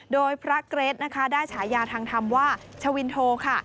โดยพระเกรทนะคะได้ฉายาทางธรรมว่าชวินโทค่ะ